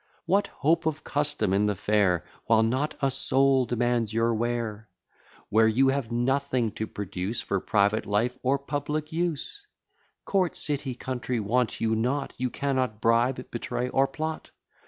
What hope of custom in the fair, While not a soul demands your ware? Where you have nothing to produce For private life, or public use? Court, city, country, want you not; You cannot bribe, betray, or plot.